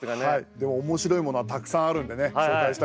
でも面白いものはたくさんあるんでね紹介したいと思います。